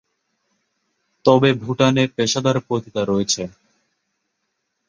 তবে ভুটানে পেশাদার পতিতা রয়েছে।